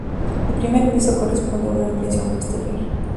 El primer piso corresponde a una ampliación posterior.